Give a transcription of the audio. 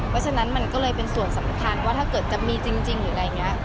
เพราะฉะนั้นมันก็เลยเป็นส่วนสำคัญว่าถ้าเกิดจะมีจริงหรืออะไรอย่างนี้